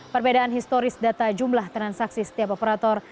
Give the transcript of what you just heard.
perbedaan historis data jumlah transaksi setiap operator